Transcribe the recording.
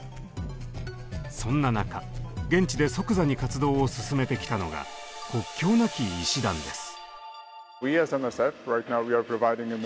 そんな中現地で即座に活動を進めてきたのが国境なき医師団です。